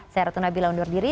saya ratna bila undur diri